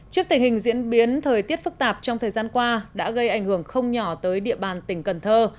trước tình hình diễn biến thời tiết phức tạp trong thời gian qua đã gây ảnh hưởng không nhỏ tới địa bàn tỉnh cần thơ